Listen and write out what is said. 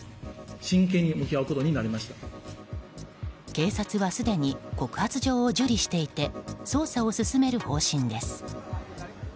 警察はすでに告発状を受理していて捜査を進める方針です。